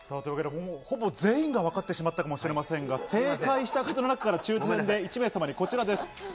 ほぼ全員がわかったかもしれませんが、正解した方の中から抽選で１名様にこちらです。